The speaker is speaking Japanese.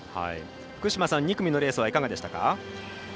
福島さん、２組のレースいかがでしたか？